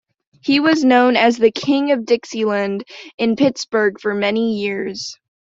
He was known as the "King of Dixieland" in Pittsburgh for many years.